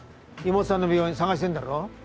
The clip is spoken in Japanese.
妹さんの病院探してるんだろ？